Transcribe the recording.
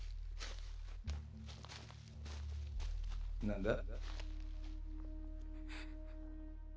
何だ？